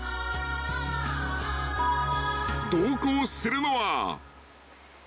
［同行するのは］